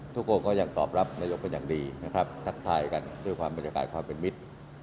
ทุกคนก็ยังตอบรับนายนกขนอย่างดีทักทายกันด้วยพรรดิการเป็นมิด